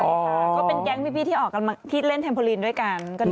เราเป็นแก๊งพี่ที่ออกเท็มพอลินด้วยกัน